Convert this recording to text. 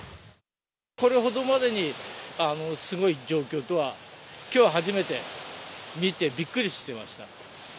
これほどまでに、すごい状況とは、きょう初めて見て、びっくりしてました。